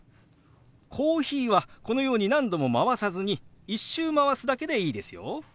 「コーヒー」はこのように何度もまわさずに１周まわすだけでいいですよ。